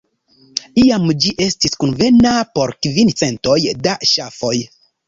Iam ĝi estis konvena por kvin centoj da ŝafoj.